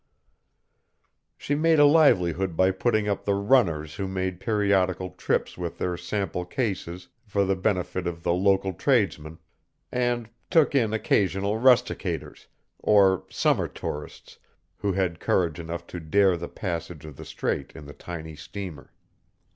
She made a livelihood by putting up the "runners" who made periodical trips with their sample cases for the benefit of the local tradesmen, and took in occasional "rusticators," or summer tourists who had courage enough to dare the passage of the strait in the tiny steamer.